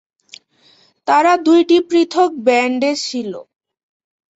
তারা দুইটি পৃথক ব্যান্ডে ছিল।